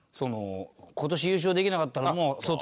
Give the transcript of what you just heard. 今年優勝できなかったらもう卒業します！